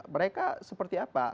mereka seperti apa